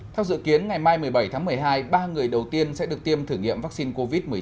theo dự kiến ngày mai một mươi bảy tháng một mươi hai ba người đầu tiên sẽ được tiêm thử nghiệm vaccine covid một mươi chín